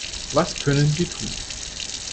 Was können Sie tun?